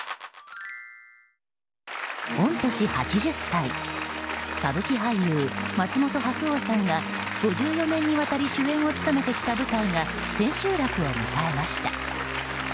御年８０歳歌舞伎俳優・松本白鸚さんが５４年にわたり主演を務めてきた舞台が千秋楽を迎えました。